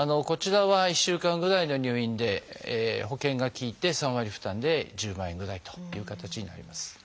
こちらは１週間ぐらいの入院で保険が利いて３割負担で１０万円ぐらいという形になります。